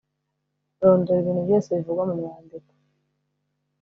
Rondora ibintu byose bivugwa mu mwandiko